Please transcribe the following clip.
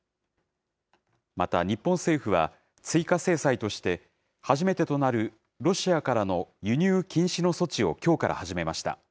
また、日本政府は、追加制裁として、初めてとなるロシアからの輸入禁止の措置をきょうから始めました。